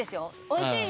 おいしい。